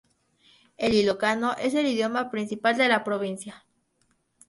El ilocano es el idioma principal de la provincia.